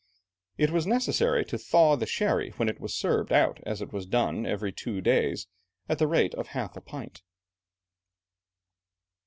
It was necessary to thaw the sherry, when it was served out, as was done every two days, at the rate of half a pint.